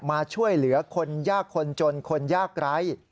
มาช่วยเหลือคนยากคนจนคนยากไร้